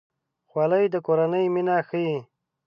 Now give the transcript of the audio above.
خولۍ د کورنۍ مینه ښيي.